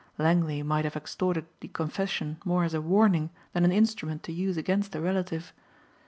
Langley might have extorted the confession more as a warning than an instrument to use against a relative.